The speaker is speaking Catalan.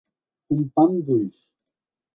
Un pam d'ulls.